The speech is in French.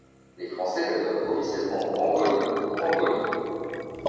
Les Français le nomment officiellement Brangoly ou Brangolí.